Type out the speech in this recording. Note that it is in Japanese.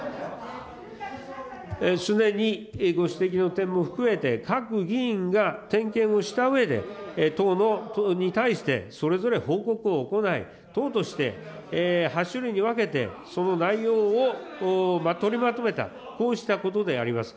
すでにご指摘の点も含めて、各議員が点検をしたうえで、党に対して、それぞれ報告を行い、党として、８種類に分けてその内容を取りまとめた、こうしたことであります。